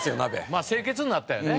まあ清潔になったよね。